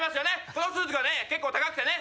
このスーツが結構高くてね。